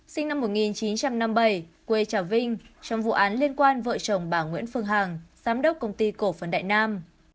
sinh năm một nghìn chín trăm năm mươi bảy quê trà vinh trong vụ án liên quan vợ chồng bà nguyễn phương hằng giám đốc công ty cổ phần đại nam